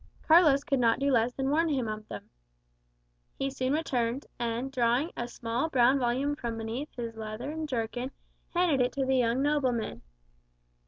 Carlos could not do less than warn him of them. He soon returned; and drawing a small brown volume from beneath his leathern jerkin, handed it to the young nobleman.